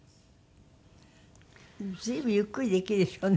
随分ゆっくりできるでしょうね